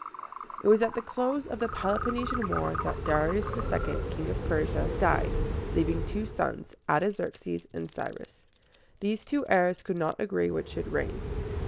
It was at the close of the Peloponnesian War that Darius II., King of Persia, died, leaving two sons, Artaxerxes and Cy´rus. These two heirs could not agree which should reign.